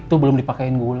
itu belum dipakai gula